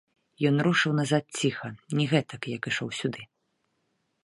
Ён рушыў назад ціха, не гэтак, як ішоў сюды.